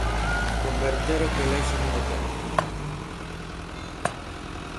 "Converter o colexio nun hotel".